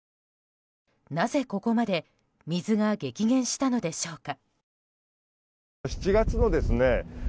なぜ、ここまで水が激減したのでしょうか。